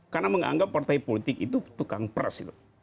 karena menganggap partai politik itu tukang pers